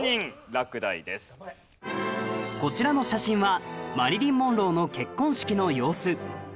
こちらの写真はマリリン・モンローの結婚式の様子